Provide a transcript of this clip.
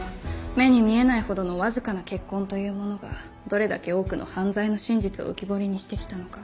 目に見えないほどのわずかな血痕というものがどれだけ多くの犯罪の真実を浮き彫りにして来たのかを。